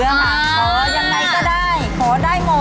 ขอยังไงก็ได้